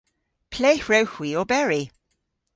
Ple hwrewgh hwi oberi?